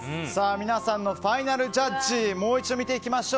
皆さんのファイナルジャッジもう一度見ていきましょう。